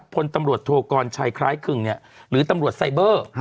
พลตำรวจโทกรชัยคล้ายครึ่งหรือตำรวจไซเบอร์